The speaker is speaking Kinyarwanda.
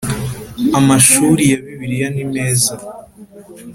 amashuri ya Bibiliya nimeza